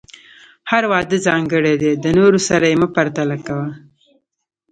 هر واده ځانګړی دی، د نورو سره یې مه پرتله کوه.